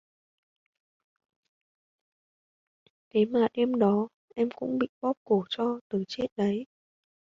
Thế mà đêm đó Em cũng bị bóp cổ cho tưởng chết đấy